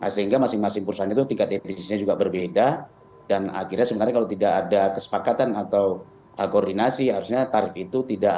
sehingga masing masing perusahaan itu tingkat tpsnya juga berbeda dan akhirnya sebenarnya kalau tidak ada kesepakatan atau koordinasi harusnya tarif itu tidak